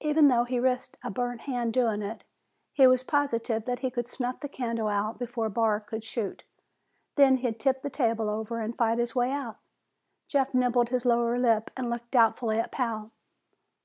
Even though he risked a burned hand doing it, he was positive that he could snuff the candle out before Barr could shoot. Then he'd tip the table over and fight his way out. Jeff nibbled his lower lip and looked doubtfully at Pal.